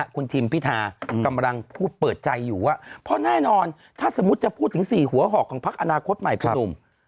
คุณทิมพิธากำลังพูดเปิดใจอยู่ว่าเพราะแน่นอนถ้าสมมุติจะพูดถึง๔หัวหอกของพักอนาคตใหม่คุณหนุ่ม